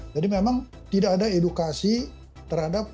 jadi memang tidak ada edukasi terhadap